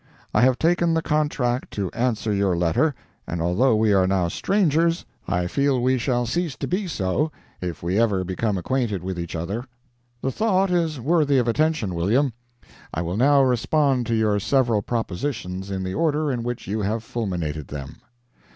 I have taken the contract to answer your letter, and although we are now strangers, I feel we shall cease to be so if we ever become acquainted with each other. The thought is worthy of attention, William. I will now respond to your several propositions in the order in which you have fulminated them.